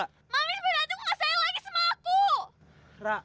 mami sebenarnya tuh gak sayang lagi sama aku